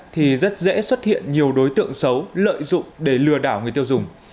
thì rất dễ xuất hiện nhiều đối tượng xấu lợi dụng để lừa đảo người tiêu dùng